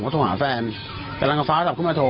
ผมก็โทรหาแฟนกำลังกับฟ้าทับขึ้นมาโทร